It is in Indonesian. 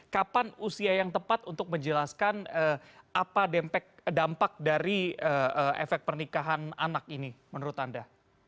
kapan usia yang tepat untuk menjelaskan apa dampak dari efek pernikahan anak ini menurut anda